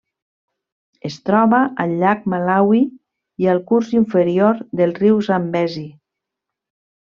Es troba al llac Malawi i al curs inferior del riu Zambezi.